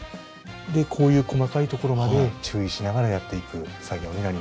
こういう細かいところまで注意しながらやっていく作業になります。